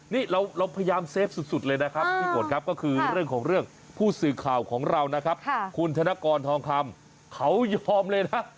นี่เราพยายามเซฟสุดเลยนะครับพี่กดครับก็คือเรื่องของเรื่องผู้สื่อข่าวของเรานะครับคุณธนกรทองคำเขายอมเลยนะ